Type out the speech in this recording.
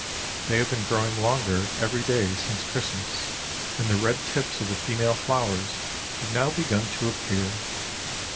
They have been growing longer every day since Christmas and the red tips of the female flowers have now begun to appear.